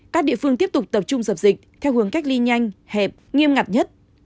các địa phương tiếp tục tập trung dập dịch theo hướng cách ly nhanh hẹp nghiêm ngặt nhất